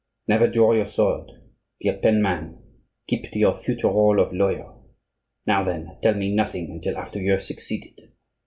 Never draw your sword; be a pen man; keep to your future role of lawyer. Now, then, tell me nothing until after you have succeeded.